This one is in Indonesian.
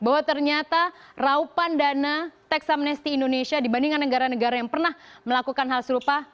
bahwa ternyata raupan dana teks amnesty indonesia dibandingkan negara negara yang pernah melakukan hal serupa